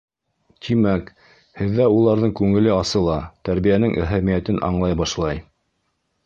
— Тимәк, һеҙҙә уларҙың күңеле асыла, тәрбиәнең әһәмиәтен аңлай башлай.